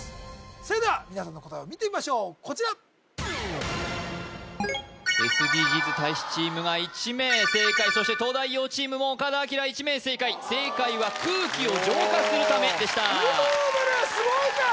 それでは皆さんの答えを見てみましょうこちらＳＤＧｓ大使チームが１名正解そして東大王チームも岡田哲明１名正解正解は空気を浄化するためでしたルーブルすごいじゃん！